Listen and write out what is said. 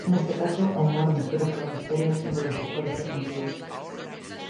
Neste caso, o humor mestúrase co misterio e símbolos dos códices antigos.